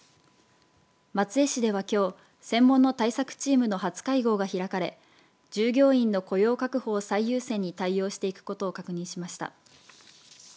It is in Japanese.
松江市ではきょう、専門の対策チームの初会合が開かれ従業員の雇用確保を最優先に対応していくことを確認しました。